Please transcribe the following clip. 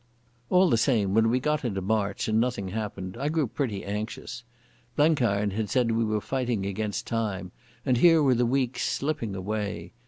All the same when we got into March and nothing happened I grew pretty anxious. Blenkiron had said we were fighting against time, and here were the weeks slipping away.